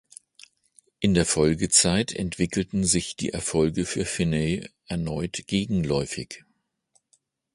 In der Folgezeit entwickelten sich die Erfolge für Finney erneut gegenläufig.